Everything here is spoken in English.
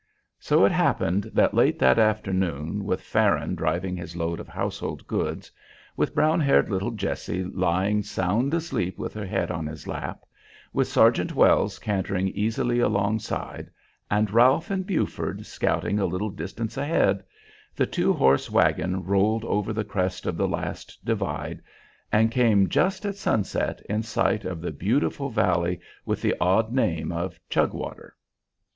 So it happened that late that afternoon, with Farron driving his load of household goods; with brown haired little Jessie lying sound asleep with her head on his lap; with Sergeant Wells cantering easily alongside and Ralph and Buford scouting a little distance ahead, the two horse wagon rolled over the crest of the last divide and came just at sunset in sight of the beautiful valley with the odd name of Chugwater.